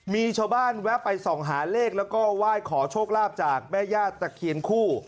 มีชาวบ้านแวะไปส่องหาเลขแล้วก็ไหว้ขอโชคลาภจากแม่ญาติตะเคียนคู่